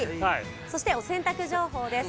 そしてお洗濯情報です。